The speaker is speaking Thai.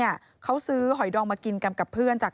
พ่อพูดว่าพ่อพูดว่าพ่อพูดว่าพ่อพูดว่า